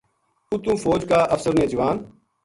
اُتو فوج کا افسر نے جوان